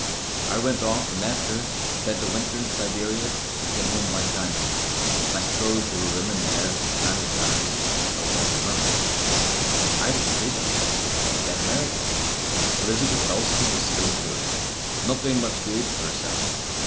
I went off and left her, spent a winter in Siberia, and came home by China. I suppose there were women there and in Paris. I was there for a month. I didn't see them. Then America. Elizabeth Dalstan was still touring, not doing much good for herself.